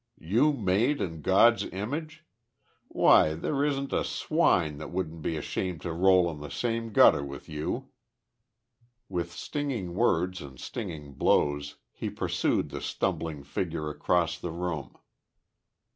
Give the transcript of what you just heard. You made in God's image? Why, there isn't a swine that wouldn't be ashamed to roll in the same gutter with you!" With stinging words and stinging blows, he pursued the stumbling figure across the room.